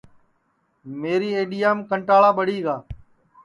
میری اَڈؔیام کنٹاݪا ٻڑی گا